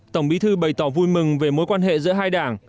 tổng bí thư bày tỏ vui mừng về mối quan hệ giữa hai đảng